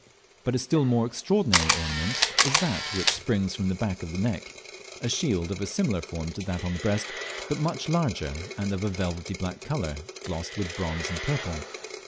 But a still more extraordinary ornament is that which springs from the back of the neck, a shield of a similar form to that on the breast, but much larger, and of a velvety black colour, glossed with bronze and purple.